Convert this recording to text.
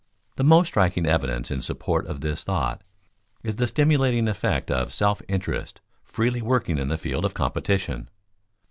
The most striking evidence in support of this thought is the stimulating effect of self interest freely working in the field of competition.